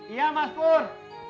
iya mas pur